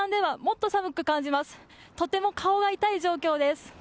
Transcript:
とても顔が痛い状況です。